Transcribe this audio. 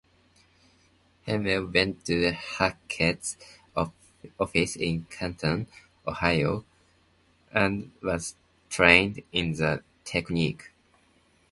Hemwall went to Hackett's office in Canton, Ohio, and was trained in the technique.